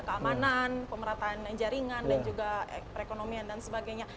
keamanan pemerataan jaringan dan juga perekonomian dan sebagainya